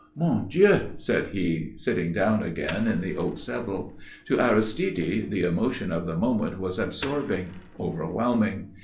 "Mon Dieu," said he, sitting down again in the oak settle. To Aristide the emotion of the moment was absorbing, overwhelming.